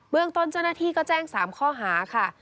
เมืองต้นเจ้าหน้าที่ก็แจ้ง๓ข้อหาค่ะ